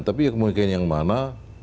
tapi kemungkinan yang mana